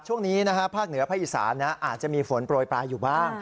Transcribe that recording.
ช่วงนี้ภาคเหนือภาคอีสานอาจจะมีฝนโปรยปลายอยู่บ้าง